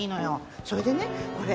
それでねこれ。